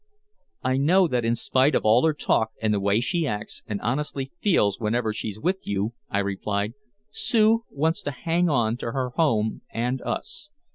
"I know that in spite of all her talk and the way she acts and honestly feels whenever she's with you," I replied, "Sue wants to hang on to her home and us.